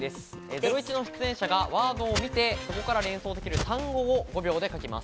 『ゼロイチ』の出演者がワードを見て、そこから連想できる単語を５秒で書きます。